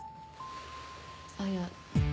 あっいや